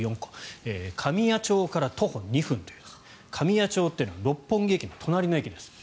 神谷町駅から徒歩２分という神谷町というのは六本木駅の隣の駅です。